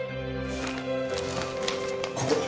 ここ。